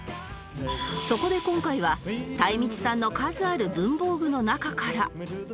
そこで今回はたいみちさんの数ある文房具の中から